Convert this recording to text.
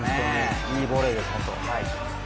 いいボレーです、ホント。